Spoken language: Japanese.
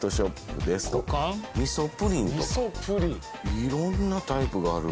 いろんなタイプがある。